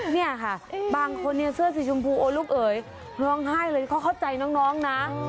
เนี่ยค่ะบางคนเนี่ยเสื้อสีชมพูโอ้ลูกเอ๋ยร้องไห้เลยเขาเข้าใจน้องนะ